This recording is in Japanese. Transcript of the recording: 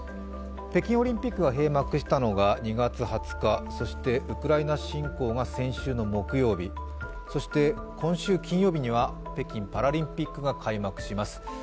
北京オリンピックが閉幕したのが２月２０日、そしてウクライナ侵攻が先週の木曜日そして今週金曜日には北京パラリンピックが開幕します。